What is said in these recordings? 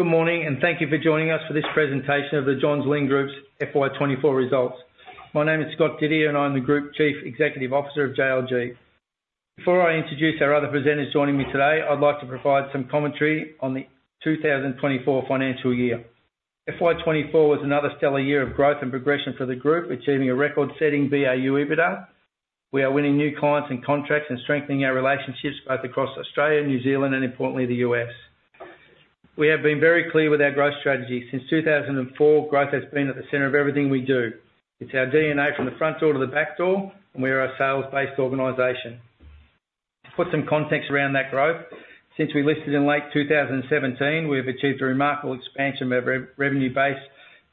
Good morning, and thank you for joining us for this presentation of the Johns Lyng Group's FY 2024 results. My name is Scott Didier, and I'm the Group Chief Executive Officer of JLG. Before I introduce our other presenters joining me today, I'd like to provide some commentary on the 2024 financial year. FY 2024 was another stellar year of growth and progression for the group, achieving a record-setting BAU EBITDA. We are winning new clients and contracts and strengthening our relationships both across Australia, New Zealand, and importantly, the U.S. We have been very clear with our growth strategy. Since two thousand and four, growth has been at the center of everything we do. It's our DNA from the front door to the back door, and we are a sales-based organization. To put some context around that growth, since we listed in late 2017, we have achieved a remarkable expansion of our revenue base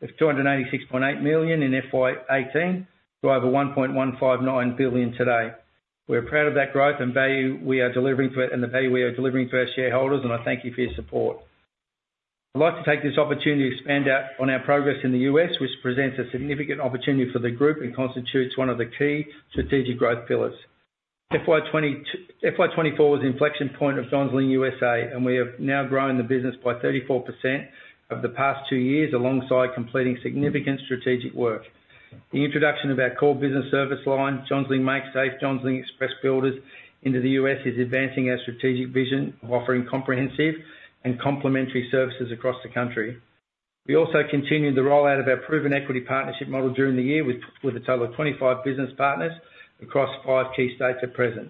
of 286.8 million in FY 2018 to over 1.159 billion today. We're proud of that growth and value we are delivering for it and the value we are delivering for our shareholders, and I thank you for your support. I'd like to take this opportunity to expand out on our progress in the U.S., which presents a significant opportunity for the group and constitutes one of the key strategic growth pillars. FY 2024 was the inflection point of Johns Lyng USA, and we have now grown the business by 34% over the past two years, alongside completing significant strategic work. The introduction of our core business service line, Johns Lyng MakeSafe, Johns Lyng Express Builders into the U.S., is advancing our strategic vision of offering comprehensive and complementary services across the country. We also continued the rollout of our proven equity partnership model during the year with a total of 25 business partners across 5 key states at present.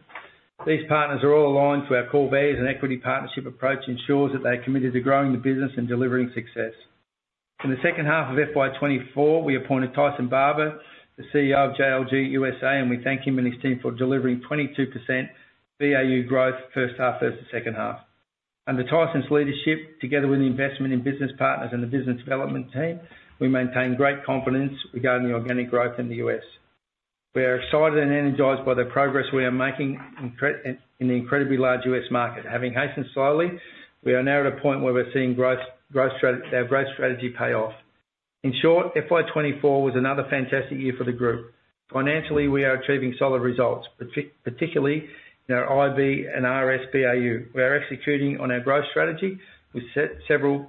These partners are all aligned to our core values, and equity partnership approach ensures that they are committed to growing the business and delivering success. In the second half of FY 2024, we appointed Tyson Barber, the CEO of JLG USA, and we thank him and his team for delivering 22% BAU growth, first half versus the second half. Under Tyson's leadership, together with the investment in business partners and the business development team, we maintain great confidence regarding the organic growth in the U.S. We are excited and energized by the progress we are making in the incredibly large U.S. market. Having hastened slowly, we are now at a point where we're seeing growth, our growth strategy pay off. In short, FY 2024 was another fantastic year for the group. Financially, we are achieving solid results, particularly in our IB&RS BAU. We are executing on our growth strategy with several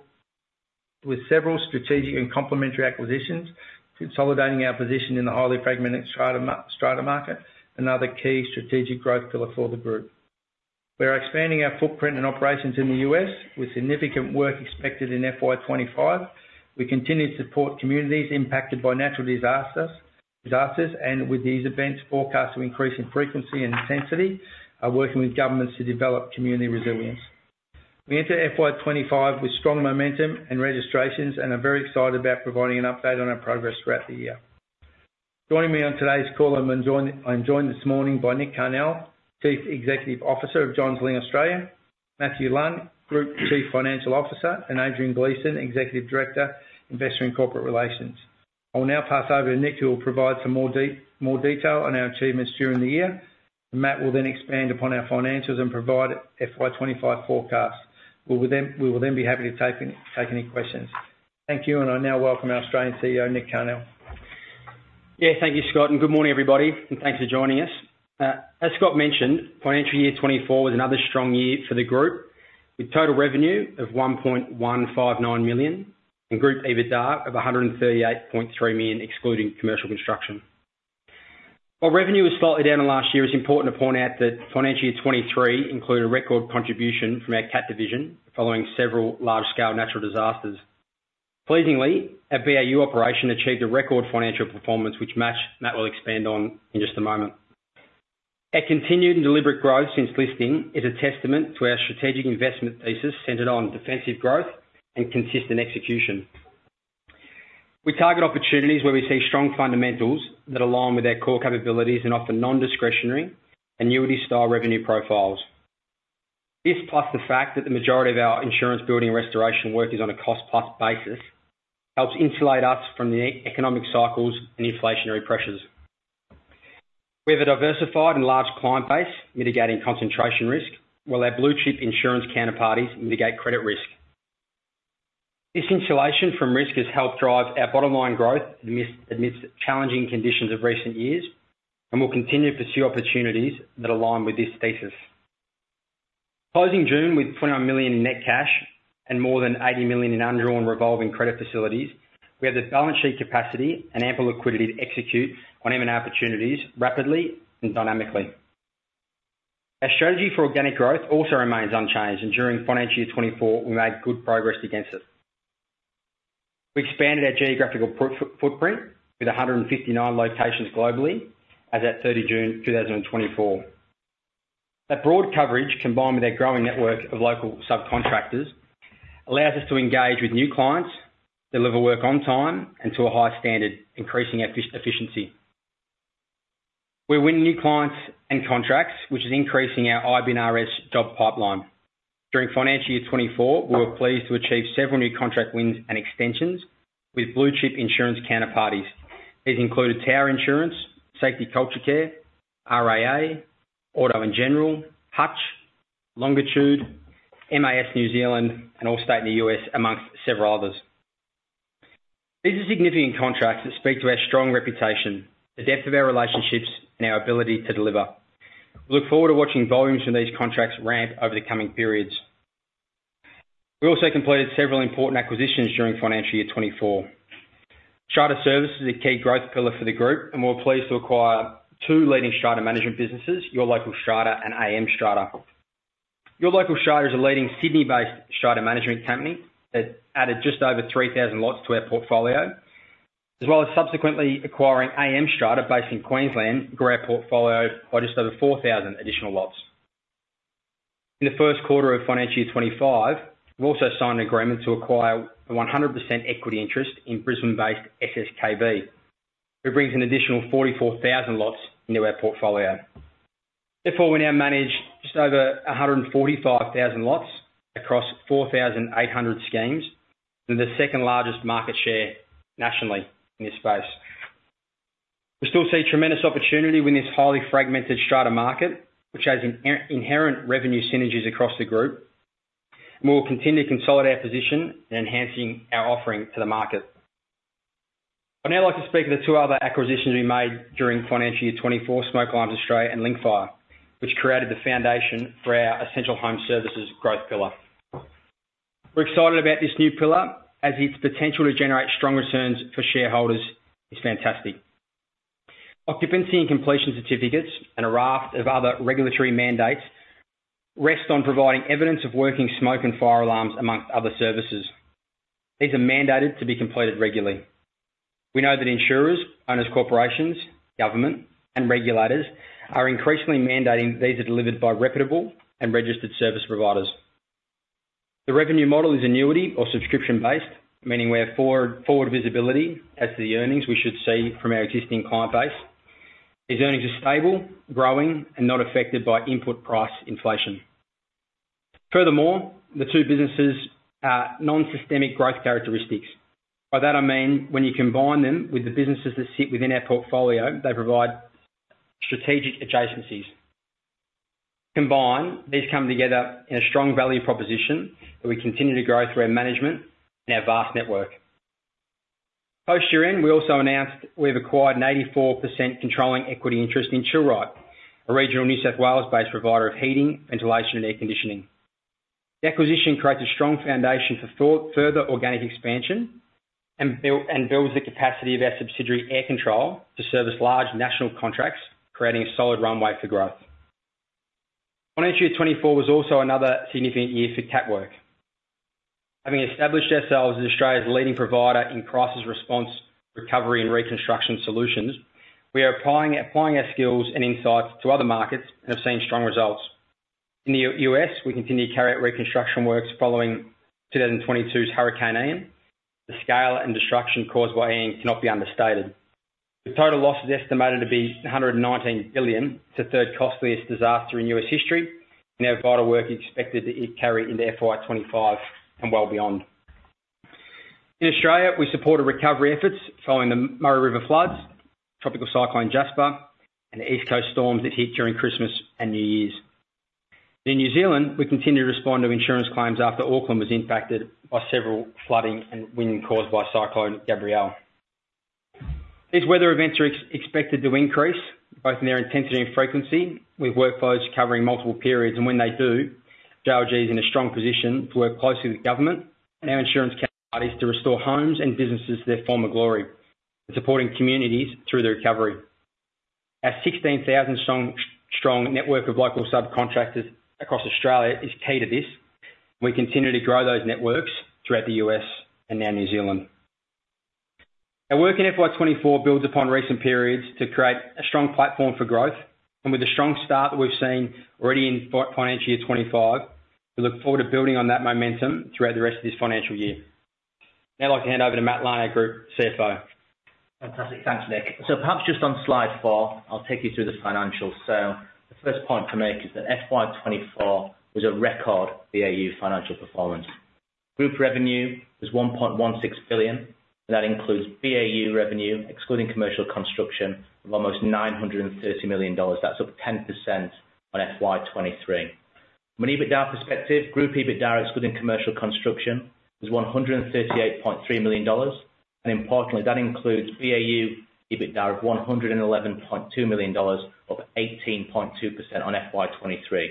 strategic and complementary acquisitions, consolidating our position in the highly fragmented strata market, another key strategic growth pillar for the group. We are expanding our footprint and operations in the U.S., with significant work expected in FY 2025. We continue to support communities impacted by natural disasters, and with these events forecast to increase in frequency and intensity, are working with governments to develop community resilience. We enter FY 2025 with strong momentum and registrations and are very excited about providing an update on our progress throughout the year. Joining me on today's call, I'm joined this morning by Nick Carnell, Chief Executive Officer of Johns Lyng Australia, Matthew Lunn, Group Chief Financial Officer, and Adrian Gleeson, Executive Director, Investor and Corporate Relations. I will now pass over to Nick, who will provide some more detail on our achievements during the year. Matt will then expand upon our financials and provide FY 2025 forecasts. We will then be happy to take any questions. Thank you, and I now welcome our Australian CEO, Nick Carnell. Yeah, thank you, Scott, and good morning, everybody, and thanks for joining us. As Scott mentioned, financial year 2024 was another strong year for the group, with total revenue of 1.159 million and group EBITDA of 138.3 million, excluding commercial construction. While revenue is slightly down on last year, it's important to point out that financial year 2023 included a record contribution from our CAT division, following several large-scale natural disasters. Pleasingly, our BAU operation achieved a record financial performance, which Matt will expand on in just a moment. Our continued and deliberate growth since listing is a testament to our strategic investment thesis, centered on defensive growth and consistent execution. We target opportunities where we see strong fundamentals that align with our core capabilities and offer non-discretionary, annuity-style revenue profiles. This, plus the fact that the majority of our insurance building and restoration work is on a cost-plus basis, helps insulate us from the economic cycles and inflationary pressures. We have a diversified and large client base, mitigating concentration risk, while our blue-chip insurance counterparties mitigate credit risk. This insulation from risk has helped drive our bottom line growth amidst challenging conditions of recent years, and will continue to pursue opportunities that align with this thesis. Closing June with 21 million in net cash and more than 80 million in undrawn revolving credit facilities, we have the balance sheet capacity and ample liquidity to execute on M&A opportunities rapidly and dynamically. Our strategy for organic growth also remains unchanged, and during financial year 2024, we made good progress against it. We expanded our geographical footprint to 159 locations globally as at 30 June 2024. That broad coverage, combined with our growing network of local subcontractors, allows us to engage with new clients, deliver work on time and to a high standard, increasing efficiency. We're winning new clients and contracts, which is increasing our IB&RS job pipeline. During financial year 2024, we were pleased to achieve several new contract wins and extensions with blue-chip insurance counterparties. These included Tower Insurance, SafetyCulture Care, RAA, Auto & General, Hutch, Longitude, MAS New Zealand, and Allstate in the U.S., among several others. These are significant contracts that speak to our strong reputation, the depth of our relationships, and our ability to deliver. We look forward to watching volumes from these contracts ramp over the coming periods. We also completed several important acquisitions during financial year 2024. Strata Services is a key growth pillar for the group, and we're pleased to acquire two leading Strata Management businesses, Your Local Strata and AM Strata. Your Local Strata is a leading Sydney-based Strata Management company that added just over 3,000 lots to our portfolio, as well as subsequently acquiring AM Strata, based in Queensland, grew our portfolio by just over 4,000 additional lots. In the first quarter of financial year 2025, we've also signed an agreement to acquire a 100% equity interest in Brisbane-based SSKB, which brings an additional 44,000 lots into our portfolio. Therefore, we now manage just over 145,000 lots across 4,800 schemes. We're the second largest market share nationally in this space. We still see tremendous opportunity within this highly fragmented Strata market, which has inherent revenue synergies across the group. We'll continue to consolidate our position, enhancing our offering to the market. I'd now like to speak to the two other acquisitions we made during financial year 2024, Smoke Alarms Australia and Linkfire, which created the foundation for our Essential Home Services growth pillar. We're excited about this new pillar, as its potential to generate strong returns for shareholders is fantastic. Occupancy and completion certificates, and a raft of other regulatory mandates, rest on providing evidence of working smoke and fire alarms, among other services. These are mandated to be completed regularly. We know that insurers, owners, corporations, government, and regulators are increasingly mandating these are delivered by reputable and registered service providers. The revenue model is annuity or subscription-based, meaning we have forward visibility as to the earnings we should see from our existing client base. These earnings are stable, growing, and not affected by input price inflation. Furthermore, the two businesses are non-systemic growth characteristics. By that I mean, when you combine them with the businesses that sit within our portfolio, they provide strategic adjacencies. Combined, these come together in a strong value proposition that we continue to grow through our management and our vast network. Post year-end, we also announced we've acquired an 84% controlling equity interest in Chill-Rite, a regional New South Wales-based provider of heating, ventilation, and air conditioning. The acquisition creates a strong foundation for further organic expansion and builds the capacity of our subsidiary, Air Control, to service large national contracts, creating a solid runway for growth. Financial year 2024 was also another significant year for Cat Work. Having established ourselves as Australia's leading provider in crisis response, recovery, and reconstruction solutions, we are applying our skills and insights to other markets and have seen strong results. In the U.S., we continue to carry out reconstruction works following 2022's Hurricane Ian. The scale and destruction caused by Ian cannot be understated. The total loss is estimated to be $119 billion. It is the third costliest disaster in U.S. history, and our vital work is expected to carry into FY 2025 and well beyond. In Australia, we supported recovery efforts following the Murray River floods, Tropical Cyclone Jasper, and the East Coast storms that hit during Christmas and New Year's. In New Zealand, we continued to respond to insurance claims after Auckland was impacted by several flooding and wind caused by Cyclone Gabrielle. These weather events are expected to increase, both in their intensity and frequency, with workflows covering multiple periods, and when they do, JLG is in a strong position to work closely with government and our insurance counterparties to restore homes and businesses to their former glory, and supporting communities through the recovery. Our 16,000-strong network of local subcontractors across Australia is key to this. We continue to grow those networks throughout the U.S. and now New Zealand. Our work in FY 2024 builds upon recent periods to create a strong platform for growth, and with the strong start that we've seen already in financial year 2025, we look forward to building on that momentum throughout the rest of this financial year. Now, I'd like to hand over to Matthew Lunn, Group CFO. Fantastic. Thanks, Nick. So perhaps just on slide four, I'll take you through the financials. So the first point to make is that FY 2024 was a record BAU financial performance. Group revenue was 1.16 billion, and that includes BAU revenue, excluding commercial construction, of almost 930 million dollars. That's up 10% on FY 2023. From an EBITDA perspective, group EBITDA, excluding commercial construction, was 138.3 million dollars, and importantly, that includes BAU EBITDA of 111.2 million dollars, up 18.2% on FY 2023.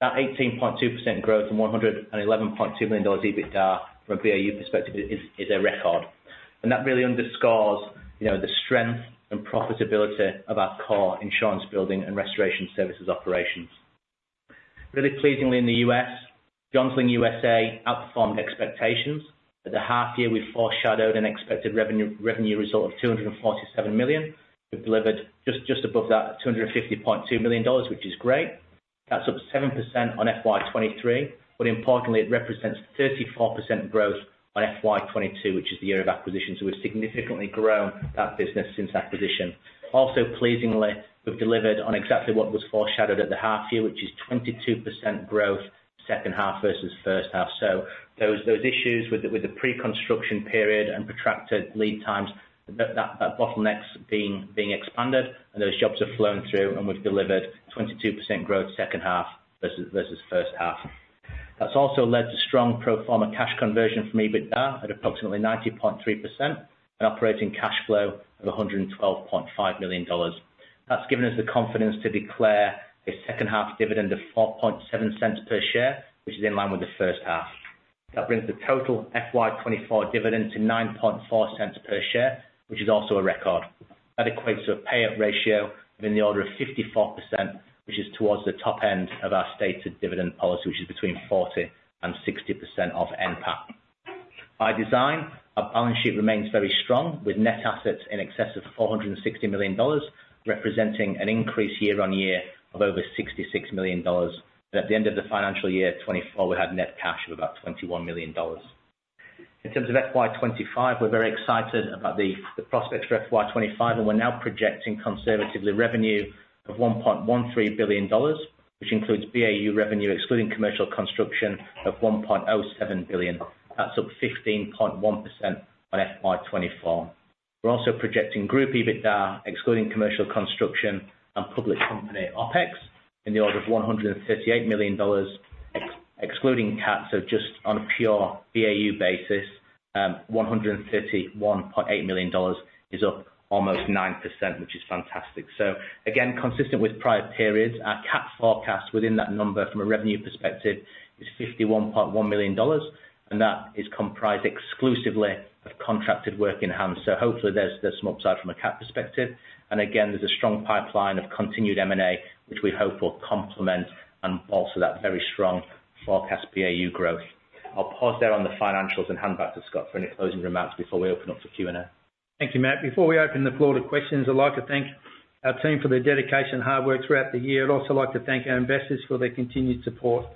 That 18.2% growth from 111.2 million dollars EBITDA from a BAU perspective is a record. And that really underscores, you know, the strength and profitability of our core insurance, building, and restoration services operations. Really pleasingly in the U.S., Johns Lyng USA outperformed expectations. At the half year, we foreshadowed an expected revenue result of 247 million. We've delivered just above that, 250.2 million dollars, which is great. That's up 7% on FY 2023, but importantly, it represents 34% growth on FY 2022, which is the year of acquisition. So we've significantly grown that business since acquisition. Also pleasingly, we've delivered on exactly what was foreshadowed at the half year, which is 22% growth second half versus first half. So those issues with the pre-construction period and protracted lead times, that bottleneck's being expanded and those jobs have flown through, and we've delivered 22% growth second half versus first half. That's also led to strong pro forma cash conversion from EBITDA at approximately 90.3% and operating cash flow of 112.5 million dollars. That's given us the confidence to declare a second half dividend of 0.047 per share, which is in line with the first half. That brings the total FY 2024 dividend to 0.094 per share, which is also a record. That equates to a payout ratio in the order of 54%, which is towards the top end of our stated dividend policy, which is between 40% and 60% of NPAT. By design, our balance sheet remains very strong, with net assets in excess of 460 million dollars, representing an increase year on year of over 66 million dollars, and at the end of the financial year 2024, we had net cash of about 21 million dollars. In terms of FY 2025, we're very excited about the prospects for FY 2025, and we're now projecting conservatively revenue of 1.13 billion dollars, which includes BAU revenue, excluding commercial construction of 1.07 billion. That's up 15.1% on FY 2024. We're also projecting group EBITDA, excluding commercial construction and public company OPEX, in the order of 138 million dollars, excluding CAT, so just on a pure BAU basis, 131.8 million dollars is up almost 9%, which is fantastic. So again, consistent with prior periods, our CAT forecast within that number from a revenue perspective is 51.1 million dollars, and that is comprised exclusively of contracted work in hand. So hopefully there's some upside from a CAT perspective. And again, there's a strong pipeline of continued M&A, which we hope will complement and bolster that very strong forecast BAU growth. I'll pause there on the financials and hand back to Scott for any closing remarks before we open up for Q&A. Thank you, Matt. Before we open the floor to questions, I'd like to thank our team for their dedication and hard work throughout the year. I'd also like to thank our investors for their continued support.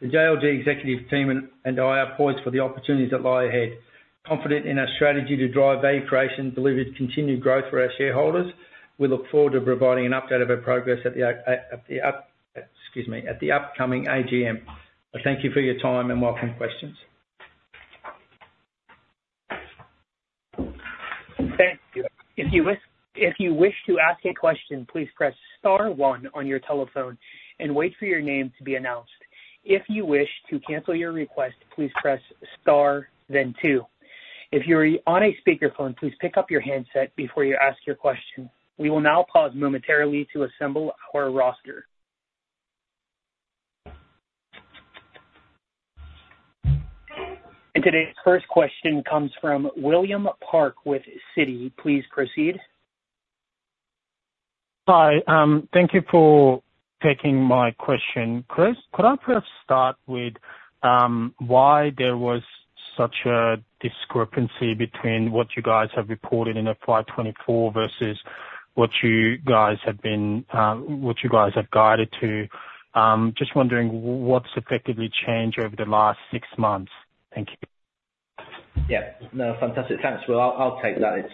The JLG executive team and I are poised for the opportunities that lie ahead. Confident in our strategy to drive value creation, deliver continued growth for our shareholders, we look forward to providing an update of our progress at the upcoming AGM. I thank you for your time and welcome questions. Thank you. If you wish, if you wish to ask a question, please press star one on your telephone and wait for your name to be announced. If you wish to cancel your request, please press star, then two. If you're on a speakerphone, please pick up your handset before you ask your question. We will now pause momentarily to assemble our roster. Today's first question comes from William Park with Citi. Please proceed. Hi, thank you for taking my question. Chris, could I perhaps start with why there was such a discrepancy between what you guys have reported in FY 2024 versus what you guys have been, what you guys have guided to? Just wondering what's effectively changed over the last six months. Thank you. Yeah. No, fantastic. Thanks, Will, I'll take that. It's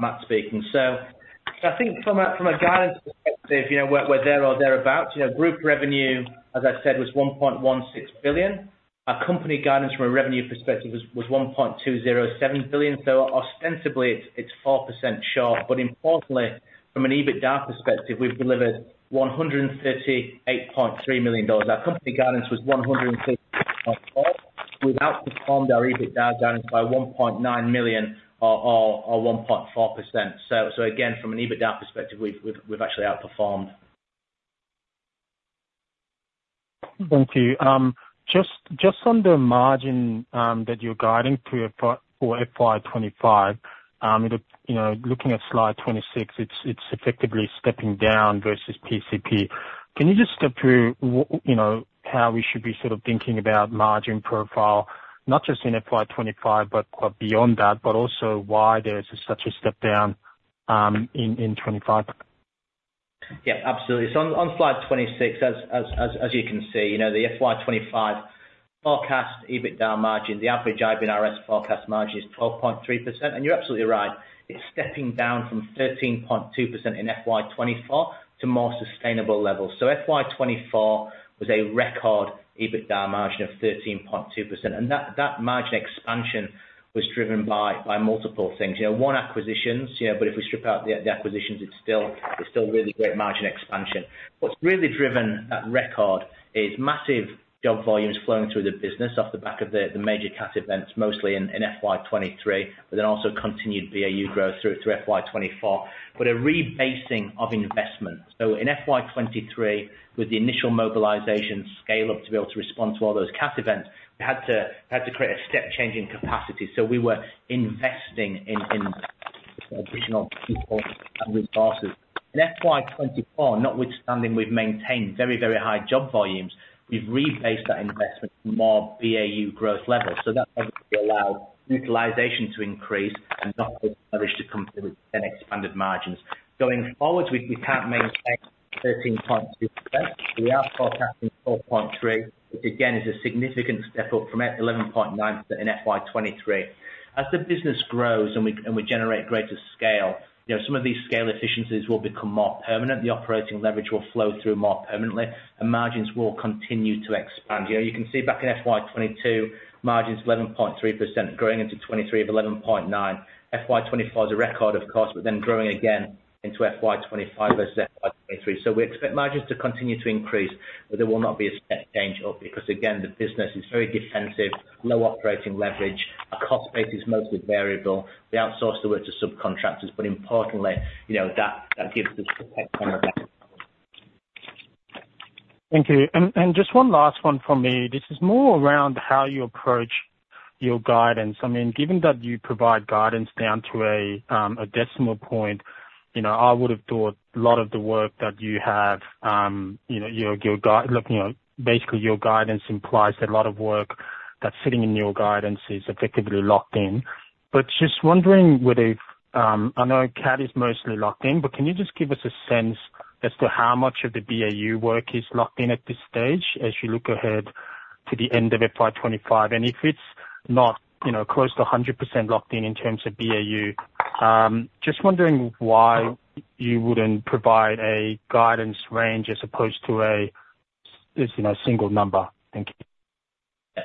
Matt speaking. So I think from a guidance perspective, you know, we're there or thereabout. You know, group revenue, as I said, was 1.16 billion. Our company guidance from a revenue perspective was 1.207 billion, so ostensibly it's 4% short, but importantly, from an EBITDA perspective, we've delivered 138.3 million dollars. Our company guidance was 150.4 million. We've outperformed our EBITDA guidance by 1.9 million or 1.4%. So again, from an EBITDA perspective, we've actually outperformed. Thank you. Just, just on the margin that you're guiding to for FY 2025, you know, looking at slide 26, it's effectively stepping down versus PCP. Can you just step through you know, how we should be sort of thinking about margin profile, not just in FY 2025 but beyond that, but also why there is such a step down in 2025? Yeah, absolutely. So on slide 26, as you can see, you know, the FY 2025 forecast EBITDA margin, the average IB&RS forecast margin is 12.3%, and you're absolutely right. It's stepping down from 13.2% in FY 2024 to more sustainable levels. So FY 2024 was a record EBITDA margin of 13.2%, and that margin expansion was driven by multiple things. You know, one, acquisitions, you know, but if we strip out the acquisitions, it's still really great margin expansion. What's really driven that record is massive job volumes flowing through the business off the back of the major CAT events, mostly in FY 2023, but then also continued BAU growth through to FY 2024, but a rebasing of investments. In FY 2023, with the initial mobilization scale up to be able to respond to all those CAT events, we had to create a step change in capacity, so we were investing in additional people and resources. In FY 2024, notwithstanding, we've maintained very, very high job volumes, we've rebased that investment to more BAU growth levels, so that obviously allowed utilization to increase and operating leverage to come through to expanded margins. Going forward, we can't maintain 13.2%. We are forecasting 12.3%, which again, is a significant step up from eleven point nine in FY 2023. As the business grows and we generate greater scale, you know, some of these scale efficiencies will become more permanent. The operating leverage will flow through more permanently, and margins will continue to expand. You know, you can see back in FY 2022, margins 11.3% growing into 2023 of 11.9%. FY 2024 is a record, of course, but then growing again into FY 2025 versus FY 2023. So we expect margins to continue to increase, but there will not be a step change up, because again, the business is very defensive, low operating leverage, cost base is mostly variable. We outsource the work to subcontractors, but importantly, you know, that gives us protection. Thank you. And just one last one from me. This is more around how you approach your guidance. I mean, given that you provide guidance down to a decimal point, you know, I would have thought a lot of the work that you have, you know, looking at basically your guidance implies that a lot of work that's sitting in your guidance is effectively locked in. But just wondering whether, I know CAT is mostly locked in, but can you just give us a sense as to how much of the BAU work is locked in at this stage, as you look ahead to the end of FY 2025? And if it's not, you know, close to 100% locked in in terms of BAU, just wondering why you wouldn't provide a guidance range as opposed to a, as you know, single number? Thank you.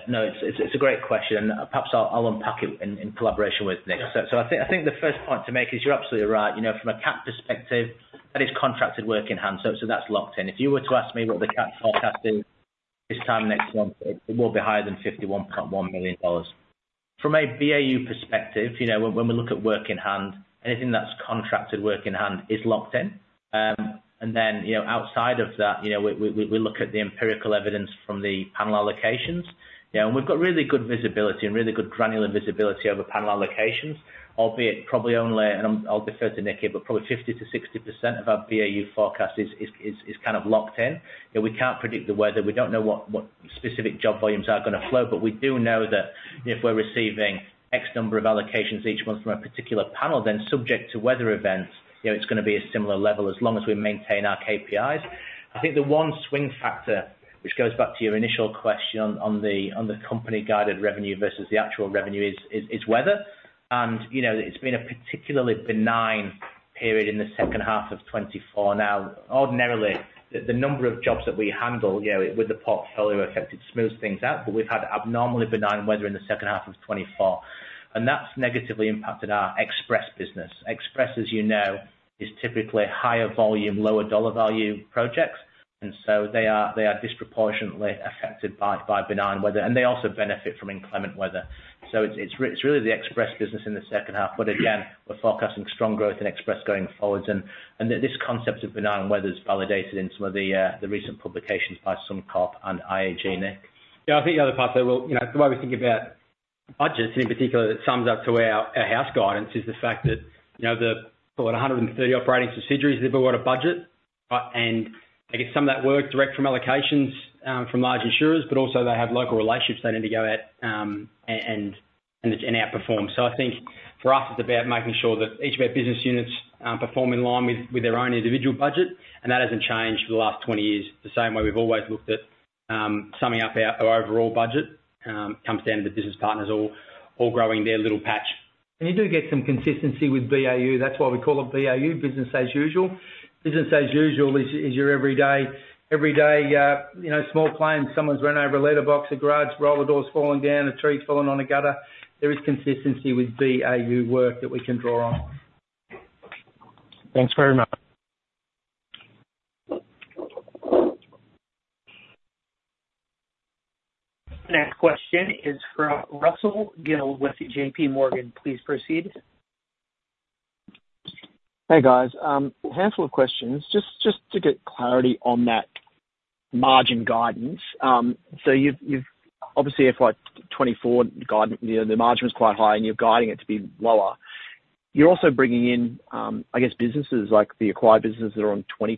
No, it's a great question, and perhaps I'll unpack it in collaboration with Nick. So I think the first point to make is you're absolutely right. You know, from a CAT perspective, that is contracted work in hand, so that's locked in. If you were to ask me what the CAT forecast is this time next month, it will be higher than 51.1 million dollars. From a BAU perspective, you know, when we look at work in hand, anything that's contracted work in hand is locked in. And then, you know, outside of that, you know, we look at the empirical evidence from the panel allocations. You know, and we've got really good visibility and really good granular visibility over panel allocations, albeit probably only... and I'll defer to Nick here, but probably 50%-60% of our BAU forecast is kind of locked in. You know, we can't predict the weather. We don't know what specific job volumes are gonna flow, but we do know that if we're receiving X number of allocations each month from a particular panel, then subject to weather events, you know, it's gonna be a similar level as long as we maintain our KPIs. I think the one swing factor, which goes back to your initial question on the company-guided revenue versus the actual revenue is weather. And, you know, it's been a particularly benign period in the second half of 2024. Now, ordinarily, the number of jobs that we handle, you know, with the portfolio effect, it smooths things out, but we've had abnormally benign weather in the second half of 2024, and that's negatively impacted our Express business. Express, as you know, is typically higher volume, lower dollar value projects, and so they are disproportionately affected by benign weather, and they also benefit from inclement weather. So it's really the Express business in the second half. But again, we're forecasting strong growth in Express going forwards, and this concept of benign weather is validated in some of the recent publications by Suncorp and IAG. Nick? Yeah, I think the other part, though, well, you know, the way we think about budgets and in particular, that sums up to our house guidance is the fact that, you know, the 130 operating subsidiaries, they've all got a budget, and I guess some of that work direct from allocations from large insurers, but also they have local relationships they need to go out and outperform. So I think for us, it's about making sure that each of our business units perform in line with their own individual budget, and that hasn't changed for the last 20 years, the same way we've always looked at summing up our overall budget comes down to the business partners all growing their little patch. And you do get some consistency with BAU. That's why we call it BAU, business as usual. Business as usual is your everyday, you know, small claims. Someone's run over a letterbox, a garage, roller door's falling down, a tree's fallen on a gutter. There is consistency with BAU work that we can draw on. Thanks very much. Next question is from Russell Gill with JPMorgan. Please proceed. Hey, guys. A handful of questions. Just, just to get clarity on that margin guidance, so you've obviously FY 2024 guide, you know, the margin was quite high, and you're guiding it to be lower. You're also bringing in, I guess, businesses like the acquired businesses that are on 20%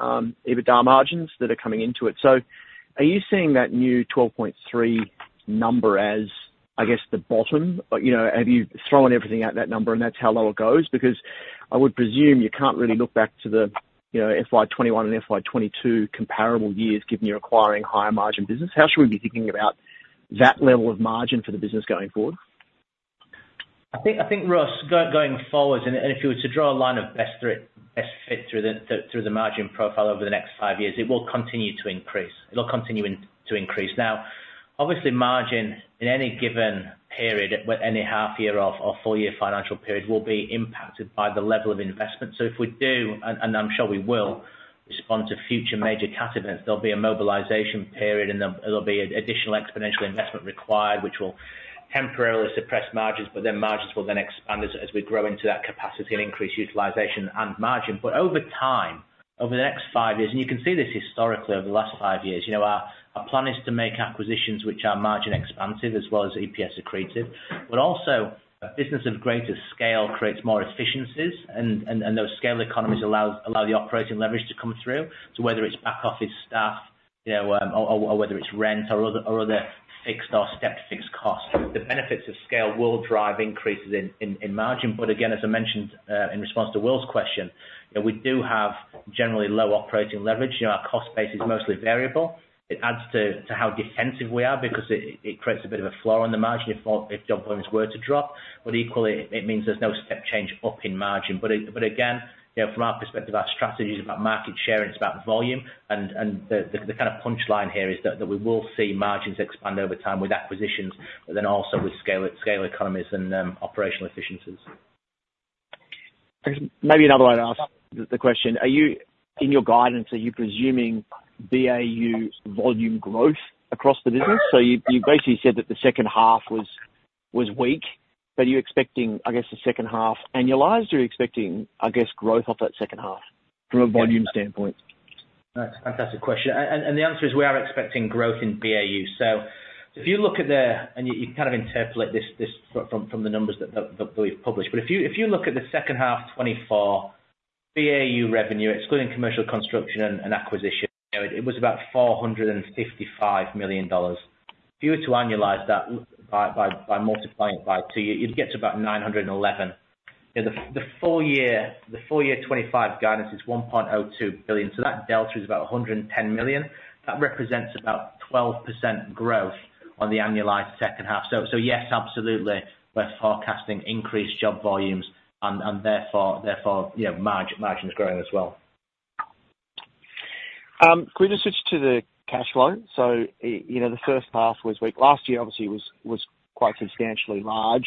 EBITDA margins that are coming into it. So are you seeing that new 12.3% number as, I guess, the bottom? You know, have you thrown everything at that number and that's how low it goes? Because I would presume you can't really look back to the, you know, FY 2021 and FY 2022 comparable years, given you're acquiring higher margin business. How should we be thinking about that level of margin for the business going forward? I think, Russ, going forward, and if you were to draw a line of best fit through the margin profile over the next five years, it will continue to increase. It'll continue to increase. Now, obviously, margin in any given period, any half year or full year financial period, will be impacted by the level of investment. So if we do, and I'm sure we will, respond to future major CAT events, there'll be a mobilization period, and there'll be a additional exponential investment required, which will temporarily suppress margins, but then margins will then expand as we grow into that capacity and increase utilization and margin. But over time, over the next five years, and you can see this historically over the last five years, you know, our plan is to make acquisitions which are margin expansive as well as EPS accretive. But also, a business of greater scale creates more efficiencies, and those scale economies allow the operating leverage to come through. So whether it's back office staff, you know, or whether it's rent or other fixed or step-fixed costs, the benefits of scale will drive increases in margin. But again, as I mentioned, in response to Will's question, you know, we do have generally low operating leverage. You know, our cost base is mostly variable. It adds to how defensive we are because it creates a bit of a floor on the margin if job volumes were to drop, but equally, it means there's no step change up in margin. But again, you know, from our perspective, our strategy is about market share, and it's about volume, and the kind of punchline here is that we will see margins expand over time with acquisitions, but then also with scale economies and operational efficiencies. Maybe another way to ask the question: Are you, in your guidance, presuming BAU volume growth across the business? So you basically said that the second half was weak, but are you expecting, I guess, the second half annualized, or are you expecting, I guess, growth off that second half from a volume standpoint? That's a fantastic question, and the answer is we are expecting growth in BAU. So if you look at, and you kind of interpolate this from the numbers that we've published. But if you look at the second half 2024 BAU revenue, excluding commercial construction and acquisition, you know, it was about 455 million dollars. If you were to annualize that by multiplying it by two, you'd get to about 911 million. You know, the full year 2025 guidance is 1.2 billion, so that delta is about 110 million. That represents about 12% growth on the annualized second half. So yes, absolutely, we're forecasting increased job volumes and therefore, you know, margins growing as well. Can we just switch to the cash flow? So, you know, the first half was weak. Last year obviously was quite substantially large,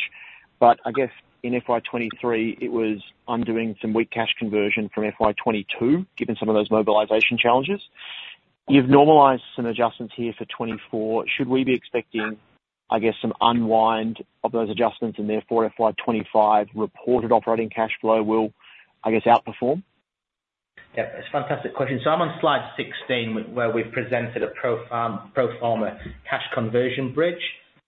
but I guess in FY 2023, it was undoing some weak cash conversion from FY 2022, given some of those mobilization challenges. You've normalized some adjustments here for 2024. Should we be expecting, I guess, some unwind of those adjustments and therefore FY 2025 reported operating cash flow will, I guess, outperform? Yeah, it's a fantastic question. So I'm on slide 16, where we've presented a pro forma cash conversion bridge,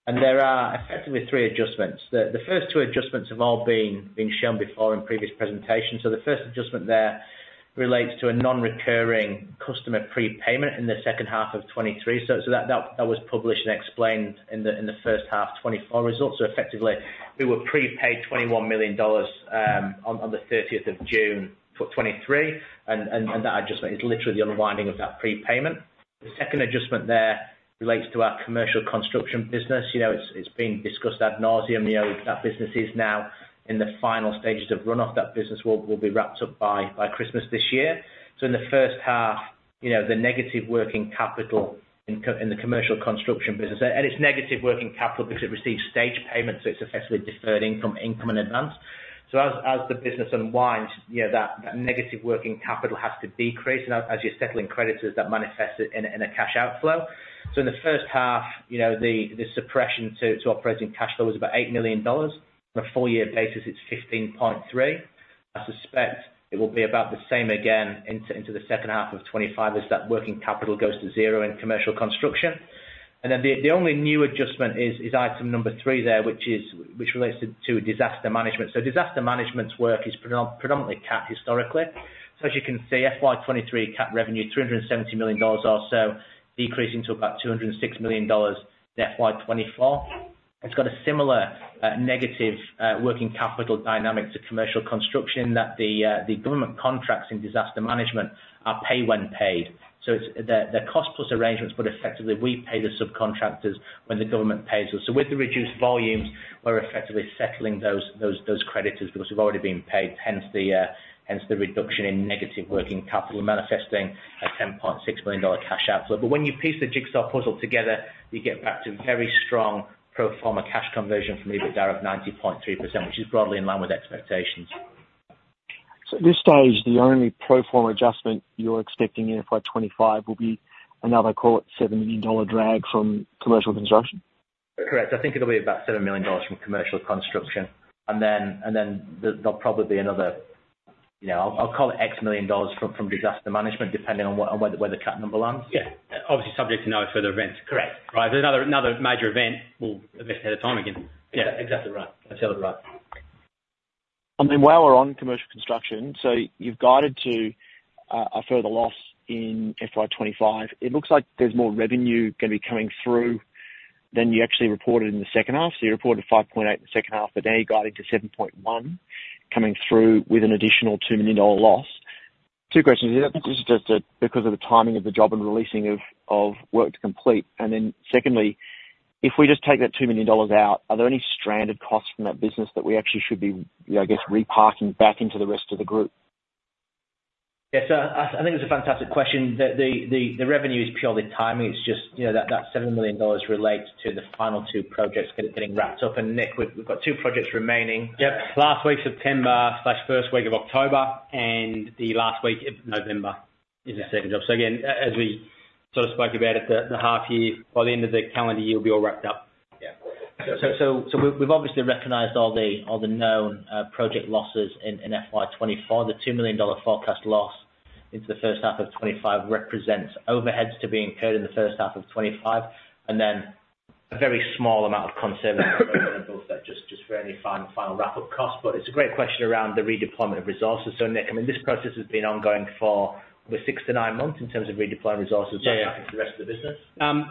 and there are effectively three adjustments. The first two adjustments have all been shown before in previous presentations. So the first adjustment there relates to a non-recurring customer prepayment in the second half of 2023. So that was published and explained in the first half 2024 results. So effectively, we were prepaid 21 million dollars on the 30th of June, 2023, and that adjustment is literally the unwinding of that prepayment. The second adjustment there relates to our Commercial Construction business. You know, it's been discussed ad nauseam. You know, that business is now in the final stages of run-off. That business will be wrapped up by Christmas this year. So in the first half, you know, the negative working capital in the Commercial Construction business. And it's negative working capital because it receives stage payments, so it's effectively deferring from income in advance. So as the business unwinds, you know, that negative working capital has to decrease, and as you're settling creditors, that manifests in a cash outflow. So in the first half, you know, the suppression to operating cash flow is about 8 million dollars. On a full year basis, it's 15.3 million. I suspect it will be about the same again into the second half of 2025 as that working capital goes to zero in Commercial Construction. And then the only new adjustment is item number three there, which relates to disaster management. Disaster management's work is predominantly CAT, historically. So as you can see, FY 2023 CAT revenue, 370 million dollars or so, decreasing to about 206 million dollars in FY 2024. It's got a similar negative working capital dynamic to commercial construction that the government contracts in disaster management are pay when paid. So it's the cost plus arrangements, but effectively we pay the subcontractors when the government pays us. So with the reduced volumes, we're effectively settling those creditors because we've already been paid, hence the reduction in negative working capital, manifesting a 10.6 million dollar cash outflow. But when you piece the jigsaw puzzle together, you get back to very strong pro forma cash conversion for EBITDA of 90.3%, which is broadly in line with expectations. At this stage, the only pro forma adjustment you're expecting in FY 2025 will be another, call it, 7 million-dollar drag from Commercial Construction? Correct. I think it'll be about 7 million dollars from commercial construction. And then there'll probably be another, you know, I'll call it X million dollars from disaster management, depending on where the CAT number lands. Yeah, obviously subject to no further events. Correct. Right. There's another major event will affect at the time again. Yeah, exactly right. That's right. And then while we're on commercial construction, so you've guided to a further loss in FY 2025. It looks like there's more revenue gonna be coming through than you actually reported in the second half. So you reported 5.8 million in the second half, but now you're guiding to 7.1 million, coming through with an additional 2 million dollar loss. Two questions here. This is just because of the timing of the job and releasing of work to complete. And then secondly, if we just take that 2 million dollars out, are there any stranded costs from that business that we actually should be, you know, I guess, reparking back into the rest of the group? Yes, so I think it's a fantastic question. The revenue is purely timing. It's just, you know, that 7 million dollars relates to the final two projects getting wrapped up. And Nick, we've got two projects remaining. Yep. Last week, September, slash first week of October, and the last week of November is the second job. So again, as we sort of spoke about at the half year, by the end of the calendar year, we'll be all wrapped up. Yeah. So we've obviously recognized all the known project losses in FY 2024. The 2 million dollar forecast loss into the first half of 2025 represents overheads to be incurred in the first half of 2025, and then a very small amount of concern just for any final wrap-up cost. But it's a great question around the redeployment of resources. So Nick, I mean, this process has been ongoing for the six to nine months in terms of redeploying resources. Yeah. to the rest of the business. And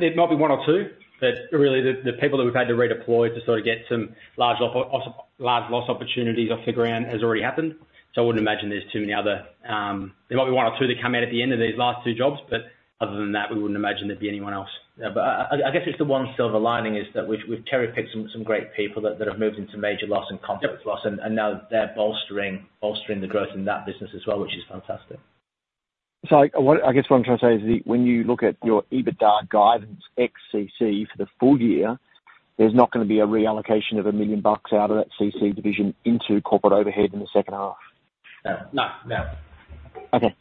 there might be one or two, but really, the people that we've had to redeploy to sort of get some large loss opportunities off the ground has already happened. So I wouldn't imagine there's too many other. There might be one or two that come out at the end of these last two jobs, but other than that, we wouldn't imagine there'd be anyone else. Yeah, but I guess it's the one silver lining, is that we've cherry-picked some great people that have moved into major loss and contract loss. Yeah. Now they're bolstering the growth in that business as well, which is fantastic. So what, I guess what I'm trying to say is that when you look at your EBITDA guidance ex CC for the full year, there's not gonna be a reallocation of 1 million bucks out of that CC division into corporate overhead in the second half? No. No, no. Okay.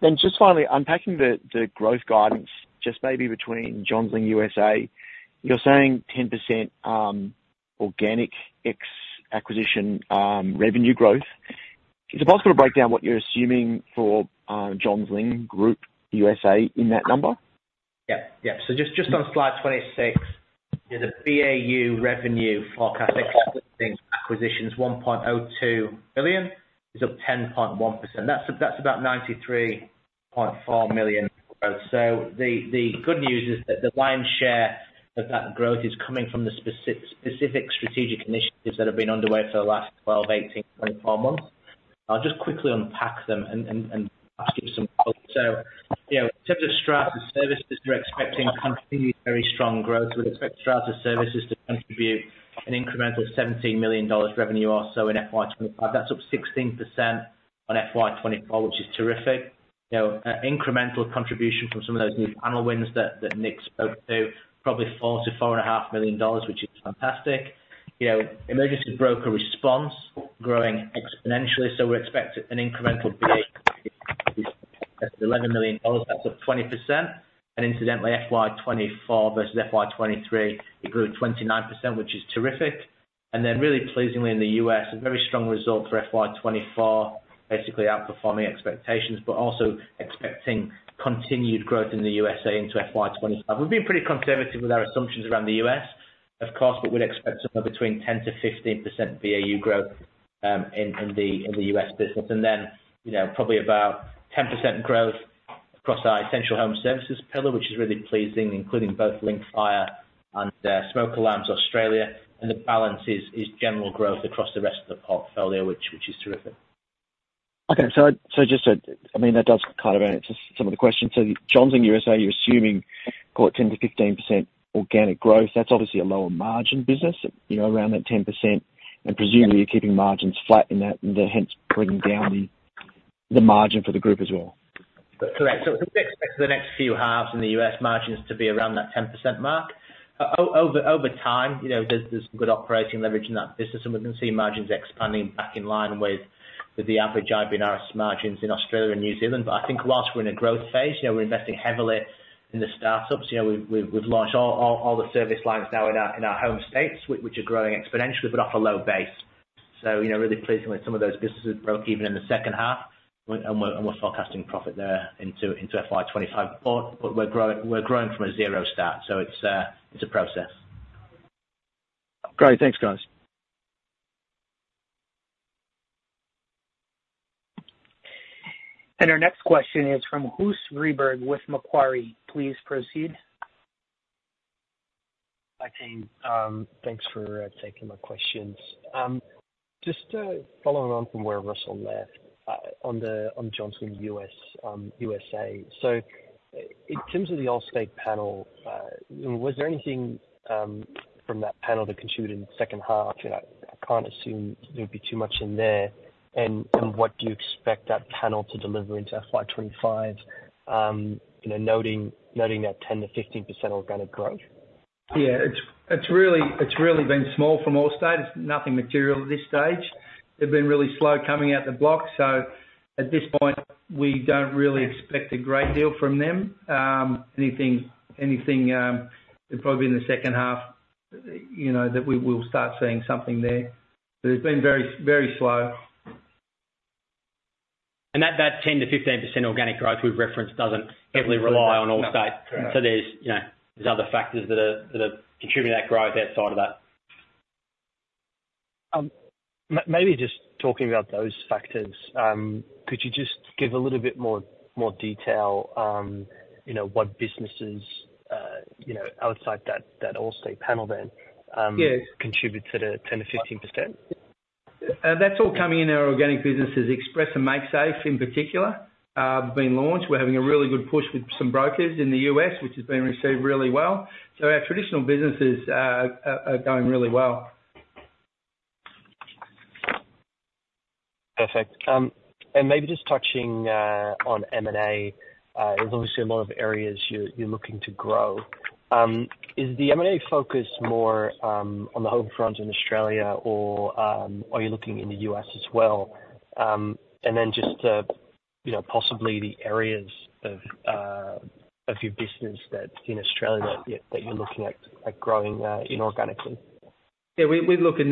Then just finally, unpacking the growth guidance, just maybe between Johns Lyng USA, you're saying 10% organic ex-acquisition revenue growth. Is it possible to break down what you're assuming for Johns Lyng Group USA in that number? Yeah. Yeah. So just on slide 26, the BAU revenue forecast acquisitions, 1.02 billion, is up 10.1%. That's about 93.4 million growth. So the good news is that the lion's share of that growth is coming from the specific strategic initiatives that have been underway for the last 12, 18, 24 months. I'll just quickly unpack them and ask you some thoughts. So you know, in terms of strata services, we're expecting continued very strong growth. We expect strata services to contribute an incremental AUD 17 million in revenue or so in FY 2025. That's up 16% on FY 2024, which is terrific. You know, incremental contribution from some of those new panel wins that Nick spoke to, probably 4 million-4.5 million dollars, which is fantastic. You know, Emergency Broker Response growing exponentially, so we're expecting an incremental of AUD 11 million. That's up 20%, and incidentally, FY 2024 versus FY 2023, it grew 29%, which is terrific. And then really pleasingly in the US, a very strong result for FY 2024, basically outperforming expectations, but also expecting continued growth in the USA into FY 2025. We've been pretty conservative with our assumptions around the US, of course, but we'd expect somewhere between 10%-15% BAU growth in the US business. And then, you know, probably about 10% growth across our Essential Home Services pillar, which is really pleasing, including both Linkfire and Smoke Alarms Australia, and the balance is general growth across the rest of the portfolio, which is terrific. Okay, so I mean, that does kind of answer some of the questions, so Johns Lyng USA, you're assuming quite 10%-15% organic growth. That's obviously a lower margin business, you know, around that 10%, and presumably you're keeping margins flat in that and then hence bringing down the margin for the group as well. Correct. So we expect for the next few halves in the U.S., margins to be around that 10% mark. Over time, you know, there's good operating leverage in that business, and we can see margins expanding back in line with the average IBRS margins in Australia and New Zealand. But I think whilst we're in a growth phase, you know, we're investing heavily in the startups. You know, we've launched all the service lines now in our home states, which are growing exponentially, but off a low base. So, you know, really pleasing with some of those businesses broke even in the second half, and we're forecasting profit there into FY 2025. But we're growing from a zero start, so it's a process. Great. Thanks, guys. Our next question is from [Gus Rehberg], with Macquarie. Please proceed. Hi, team. Thanks for taking my questions. Just following on from where Russell left on the Johns Lyng US, USA. So in terms of the Allstate panel, was there anything from that panel that contributed in the second half? And I can't assume there'd be too much in there. And what do you expect that panel to deliver into FY twenty-five, you know, noting that 10%-15% organic growth? Yeah, it's really been small from Allstate. It's nothing material at this stage. They've been really slow coming out the block, so at this point, we don't really expect a great deal from them. Anything, it'll probably be in the second half, you know, that we will start seeing something there. But it's been very, very slow. That 10%-15% organic growth we've referenced doesn't heavily rely on Allstate. Correct. So there's, you know, there's other factors that are contributing to that growth outside of that. Maybe just talking about those factors, could you just give a little bit more detail, you know, what businesses, you know, outside that Allstate panel then? Yeah. contribute to the 10%-15%? That's all coming in our organic businesses. Express and MakeSafe, in particular, have been launched. We're having a really good push with some brokers in the U.S., which has been received really well, so our traditional businesses are going really well. Perfect. And maybe just touching on M&A, there's obviously a lot of areas you're looking to grow. Is the M&A focus more on the home front in Australia, or are you looking in the US as well? And then just you know possibly the areas of your business that's in Australia that you're looking at growing inorganically. Yeah, we look in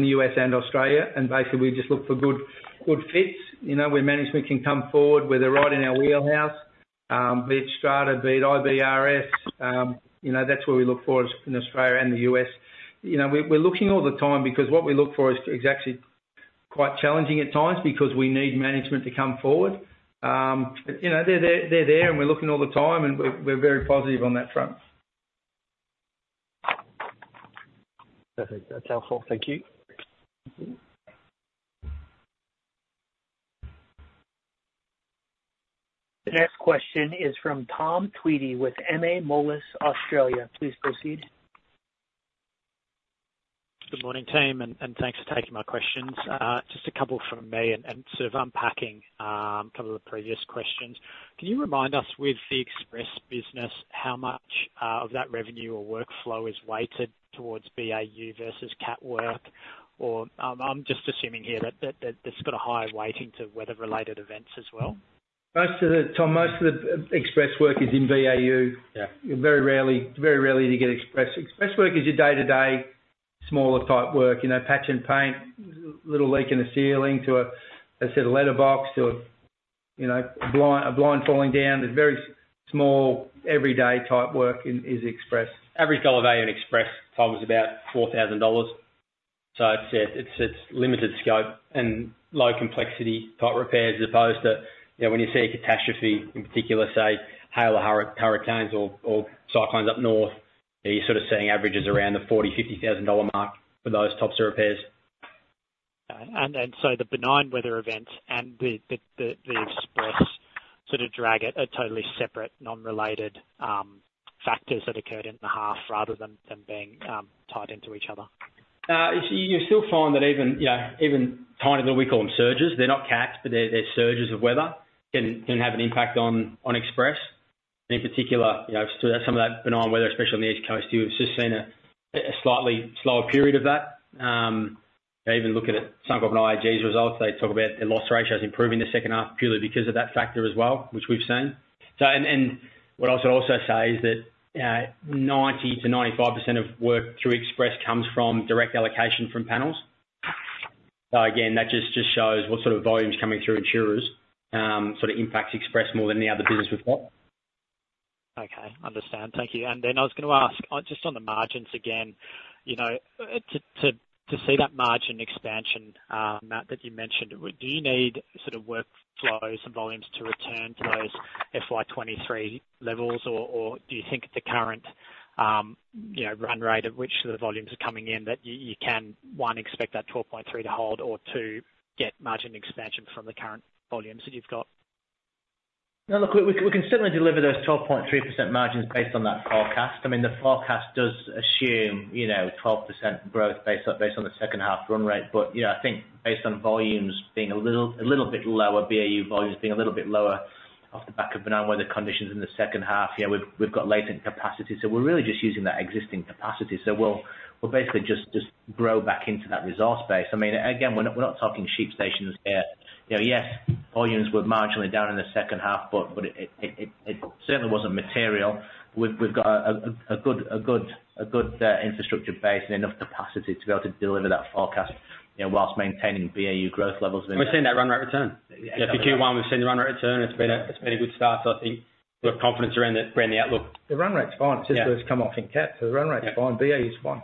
the US and Australia, and basically we just look for good fits, you know, where management can come forward, where they're right in our wheelhouse. Be it strata, be it IB&RS, you know, that's where we look for in Australia and the U.S. You know, we're looking all the time because what we look for is actually quite challenging at times because we need management to come forward. But you know, they're there, and we're looking all the time, and we're very positive on that front. Perfect. That's helpful. Thank you. The next question is from Tom Tweedie, with MA Moelis Australia. Please proceed.... Good morning, team, and thanks for taking my questions. Just a couple from me, and sort of unpacking a couple of the previous questions. Can you remind us, with the express business, how much of that revenue or workflow is weighted towards BAU versus CAT work? Or, I'm just assuming here that it's got a higher weighting to weather-related events as well. Most of the, Tom, express work is in BAU. Yeah. Very rarely, very rarely do you get express. Express work is your day-to-day, smaller type work, you know, patch and paint, little leak in the ceiling to a set of letterbox to a, you know, a blind falling down. A very small, everyday type work in, is express. Average dollar value in Express, Tom, is about 4,000 dollars. So it's, yeah, limited scope and low complexity type repairs, as opposed to, you know, when you see a catastrophe, in particular, say, hail or hurricanes or cyclones up north, you're sort of seeing averages around the 40,000-50,000 dollar mark for those types of repairs. So the benign weather events and the Express sort of drag that are totally separate, non-related factors that occurred in the half, rather than them being tied into each other? You still find that even, you know, even tiny, well, we call them surges, they're not cats, but they're surges of weather can have an impact on Express. And in particular, you know, some of that benign weather, especially on the East Coast, you've just seen a slightly slower period of that. They even look at it, Suncorp and IAG's results, they talk about their loss ratios improving the second half purely because of that factor as well, which we've seen. And what I'll also say is that 90%-95% of work through Express comes from direct allocation from panels. So again, that just shows what sort of volumes coming through insurers sort of impacts Express more than any other business we've got. Okay, understood. Thank you. Then I was gonna ask, just on the margins again, you know, to see that margin expansion, Matt, that you mentioned. Do you need sort of workflows and volumes to return to those FY 2023 levels, or do you think the current, you know, run rate at which the volumes are coming in, that you can, one, expect that twelve point three to hold, or two, get margin expansion from the current volumes that you've got? Now, look, we can certainly deliver those 12.3% margins based on that forecast. I mean, the forecast does assume, you know, 12% growth based on the second half run rate. But, you know, I think based on volumes being a little bit lower, BAU volumes being a little bit lower off the back of benign weather conditions in the second half, yeah, we've got latent capacity, so we're really just using that existing capacity. So we'll basically just grow back into that resource base. I mean, again, we're not talking sheep stations here. You know, yes, volumes were marginally down in the second half, but it certainly wasn't material. We've got a good infrastructure base and enough capacity to be able to deliver that forecast, you know, while maintaining BAU growth levels in- We've seen that run rate return. Yeah, for Q1, we've seen the run rate return. It's been a good start, so I think we've got confidence around the outlook. The run rate's fine. Yeah. It's just come off in CAT, so the run rate's fine. Yeah. BAU is fine.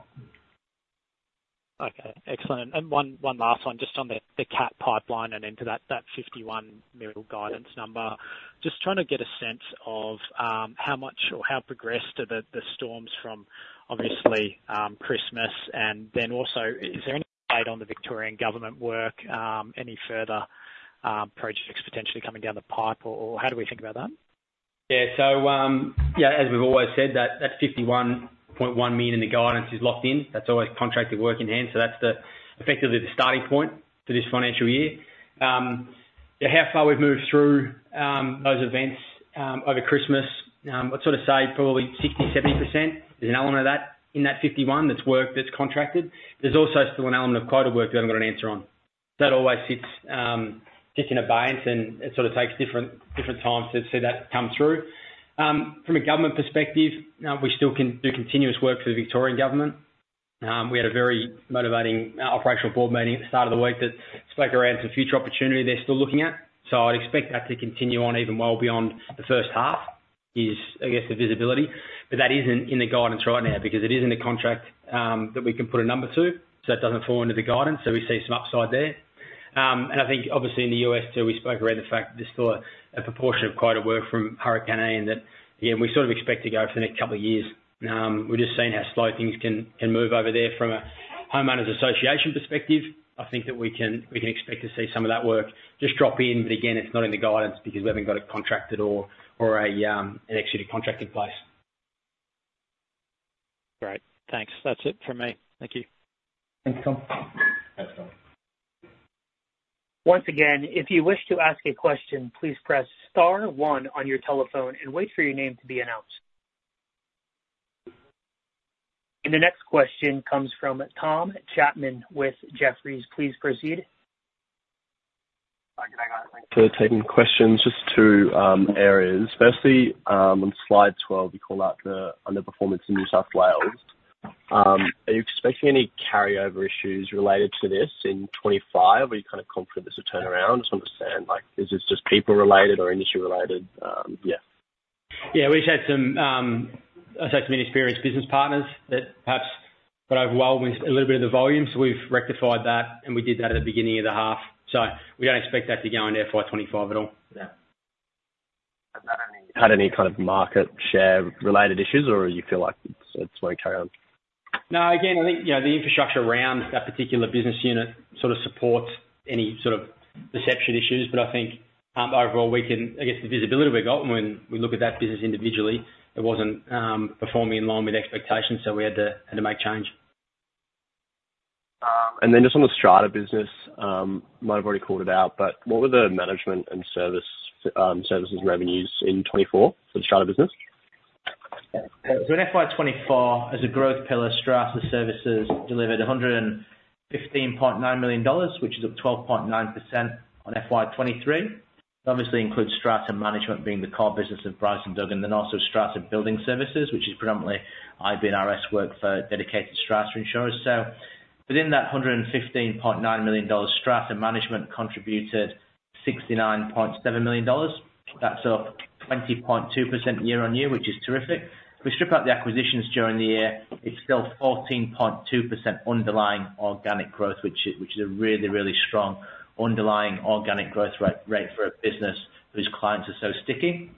Okay, excellent, and one last one, just on the CAT pipeline and into that 51 million guidance number. Just trying to get a sense of how much or how progressed are the storms from obviously Christmas? And then also, is there any update on the Victorian Government work, any further projects potentially coming down the pipe, or how do we think about that? Yeah. So, yeah, as we've always said, that 51.1 million in the guidance is locked in. That's always contracted work in hand, so that's the, effectively the starting point for this financial year. Yeah, how far we've moved through, those events, over Christmas, I'd sort of say probably 60%-70%. There's an element of that in that 51.1 million that's work, that's contracted. There's also still an element of contract work that I've got an answer on. That always sits in abeyance, and it sort of takes different times to see that come through. From a government perspective, we still do continuous work for the Victorian Government. We had a very motivating operational board meeting at the start of the week that spoke around some future opportunity they're still looking at, so I'd expect that to continue on even well beyond the first half is, I guess, the visibility. But that isn't in the guidance right now because it isn't a contract that we can put a number to, so it doesn't fall under the guidance, so we see some upside there. And I think obviously in the U.S., too, we spoke around the fact that there's still a proportion of quarter work from hurricane and that yeah, we sort of expect to go over the next couple of years. We're just seeing how slow things can move over there from a homeowners association perspective. I think that we can expect to see some of that work just drop in, but again, it's not in the guidance because we haven't got it contracted or an executed contract in place. Great. Thanks. That's it for me. Thank you. Thanks, Tom. Thanks, Tom. Once again, if you wish to ask a question, please press star one on your telephone and wait for your name to be announced. And the next question comes from Tom Chapman with Jefferies. Please proceed. Hi, good day, guys. Thanks for taking the questions. Just two areas. Firstly, on slide twelve, you call out the underperformance in New South Wales. Are you expecting any carryover issues related to this in twenty-five, or are you kind of confident it's a turnaround? Just understand, like, is this just people-related or industry-related? Yeah. Yeah, we've just had some, I'd say some inexperienced business partners that perhaps got overwhelmed with a little bit of the volume, so we've rectified that, and we did that at the beginning of the half. So we don't expect that to go into FY 2025 at all. Yeah. Has that had any kind of market share-related issues, or you feel like it's going to carry on? No, again, I think, you know, the infrastructure around that particular business unit sort of supports any sort of perception issues, but I think, overall we can, I guess, the visibility we've got when we look at that business individually, it wasn't performing in line with expectations, so we had to make change. And then just on the strata business, you might have already called it out, but what were the management and services revenues in 2024 for the strata business? In FY 2024, as a growth pillar, strata services delivered 115.9 million dollars, which is up 12.9% on FY 2023. Obviously includes Strata Management being the core business of Bright & Duggan, and then also Strata Building Services, which is predominantly IB&RS work for dedicated strata insurers. Within that 115.9 million dollars, Strata Management contributed 69.7 million dollars. That's up 20.2% year-on-year, which is terrific. If we strip out the acquisitions during the year, it's still 14.2% underlying organic growth, which is a really strong underlying organic growth rate for a business whose clients are so sticky.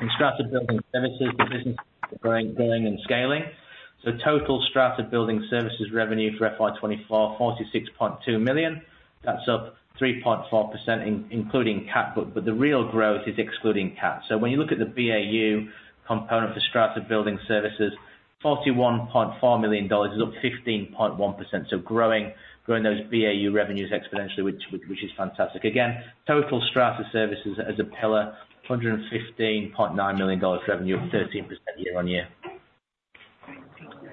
In Strata Building Services, the business is growing and scaling. Total Strata Building Services revenue for FY 2024, 46.2 million. That's up 3.4% including CAT book. But the real growth is excluding CAT. So when you look at the BAU component for Strata Building Services, AUD 41.4 million is up 15.1%. So growing those BAU revenues exponentially, which is fantastic. Again, total strata services as a pillar, 115.9 million dollars revenue, up 13% year-on-year.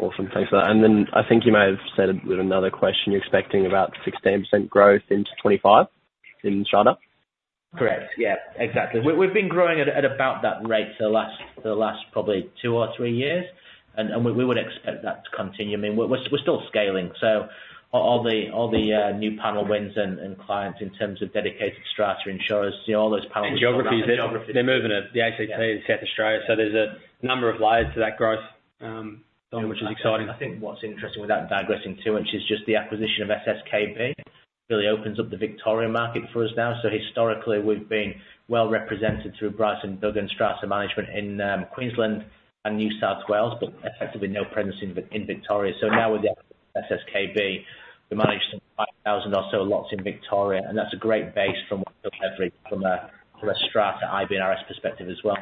Awesome. Thanks for that. And then I think you may have said it with another question, you're expecting about 16% growth into 2025 in Strata? Correct. Yeah, exactly. We've been growing at about that rate for the last probably two or three years, and we would expect that to continue. I mean, we're still scaling. So all the new panel wins and clients in terms of dedicated strata insurers, you know, all those panel- And geographies. They're moving into the ACT and South Australia, so there's a number of layers to that growth, which is exciting. I think what's interesting without digressing too much is just the acquisition of SSKB really opens up the Victorian market for us now. So historically, we've been well represented through Bright & Duggan and Strata Management in Queensland and New South Wales, but effectively no presence in Victoria. So now with the SSKB, we manage some 5,000 or so lots in Victoria, and that's a great base from which to leverage from a strata IB&RS perspective as well.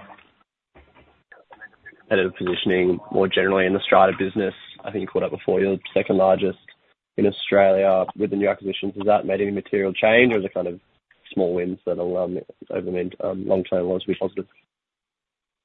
The positioning more generally in the strata business, I think you caught up before. You're the second largest in Australia with the new acquisitions. Has that made any material change or the kind of small wins that will, over the mid, long term will be positive?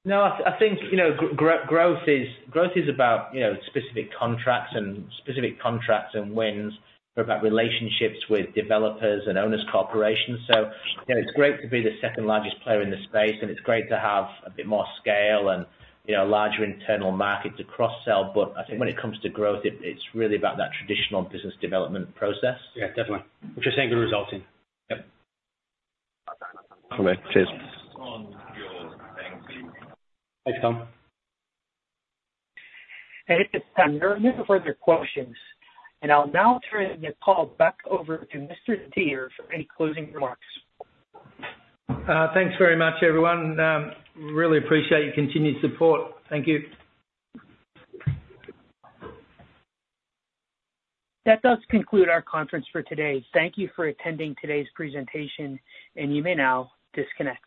No, I think, you know, growth is about, you know, specific contracts and specific contracts and wins are about relationships with developers and owners' corporations. So, you know, it's great to be the second largest player in the space, and it's great to have a bit more scale and, you know, larger internal market to cross-sell. But I think when it comes to growth, it's really about that traditional business development process. Yeah, definitely. Which is seeing good results in. Yep. Cheers. Thanks, Tom. It is time for any further questions, and I'll now turn the call back over to Mr. Didier for any closing remarks. Thanks very much, everyone. Really appreciate your continued support. Thank you. That does conclude our conference for today. Thank you for attending today's presentation, and you may now disconnect.